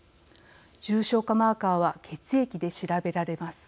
重症化マーカーは血液で調べられます。